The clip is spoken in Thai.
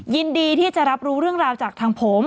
ยินดีที่จะรับรู้เรื่องราวจากทางผม